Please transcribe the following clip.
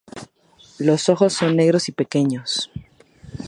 Los ojos son negros y pequeños.